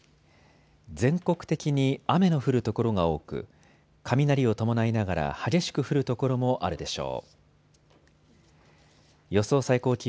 全国的に雨の降る所が多く雷を伴いながら激しく降る所もあるでしょう。